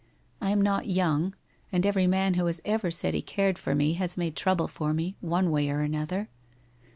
I am not young, and every man who has ever said he cared for me has made trouble for me, one way or another.